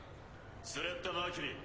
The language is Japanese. ・スレッタ・マーキュリー。